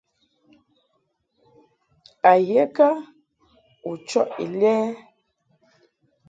A ye kə u chɔʼ Ilɛ?